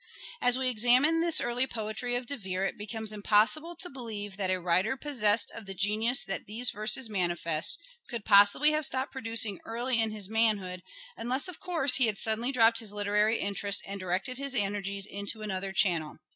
As we examine this early poetry of De Vere it becomes impossible to believe that a writer possessed of the genius that these verses manifest could possibly have stopped producing early in his manhood, unless, of course, he had suddenly dropped his literary interests and directed his energies into another channel.